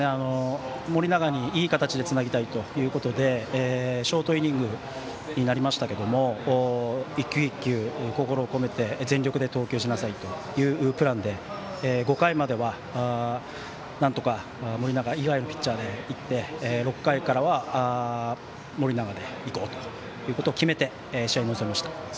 盛永にいい形でつなぎたいということでショートイニングになりましたけれども一球一球、心を込めて全力で投球しなさいというプランで５回まではなんとか盛永以外のピッチャーでいって６回からは、盛永でいこうということを決めて試合に臨みました。